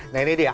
nah ini dia